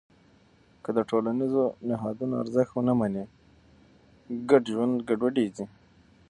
که د ټولنیزو نهادونو ارزښت ونه منې، ګډ ژوند ګډوډېږي.